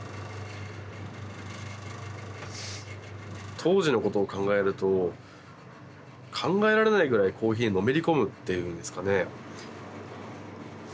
当時のことを考えると考えられないぐらいコーヒーにのめり込むっていうんですかね。